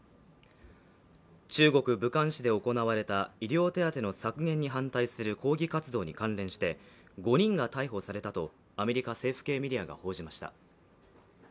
中国・武漢市で行われた医療手当の削減に反対する抗議活動に関連して５人が逮捕されたとアメリカの政府系メディアが報じました。